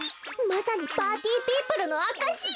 まさにパーティーピープルのあかし！